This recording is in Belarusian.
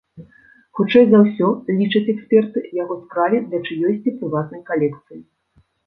Хутчэй за ўсё, лічаць эксперты, яго скралі для чыёйсьці прыватнай калекцыі.